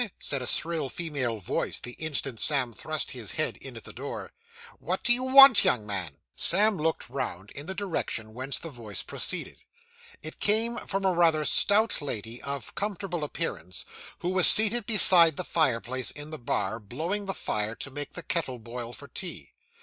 said a shrill female voice the instant Sam thrust his head in at the door, 'what do you want, young man?' Sam looked round in the direction whence the voice proceeded. It came from a rather stout lady of comfortable appearance, who was seated beside the fireplace in the bar, blowing the fire to make the kettle boil for tea.